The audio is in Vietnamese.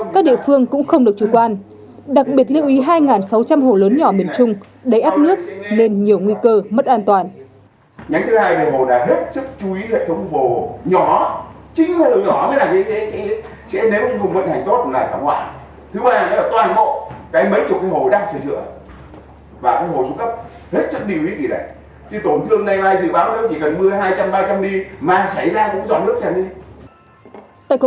các địa phương cũng cần chú ý di dời người dân ở những khu vực miền núi